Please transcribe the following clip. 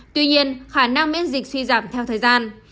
tuy nhiên khả năng miễn dịch suy giảm theo thời gian